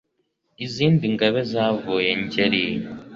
Izindi ngabe zavuye Ngeri